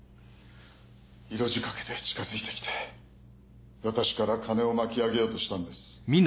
色仕掛けで近づいてきて私から金を巻き上げようとしたんです。